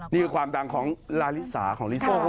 นี่คือความดังของลาลิซาของลิซาแกกรีม